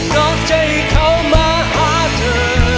ดอกใจเขามาหาเธอ